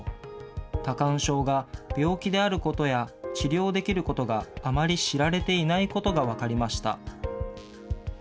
多汗症が病気であることや治療できることがあまり知られていないことが分かりました。